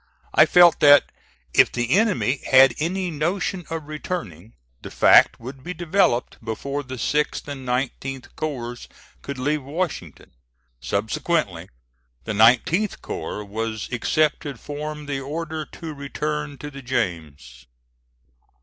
I felt that if the enemy had any notion of returning, the fact would be developed before the 6th and 19th corps could leave Washington. Subsequently, the 19th corps was excepted form the order to return to the James.